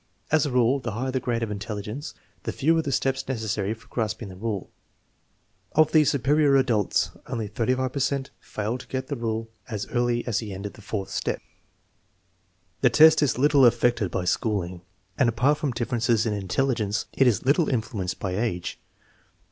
As a rule, the higher the grade of intelligence, the fewer the steps necessary for grasping the rule. Of the superior adults, only 35 per cent fail to get the rule as early as the end of the fourth step. The test is little affected by schooling, and apart from differences in intelligence it is little influenced by age.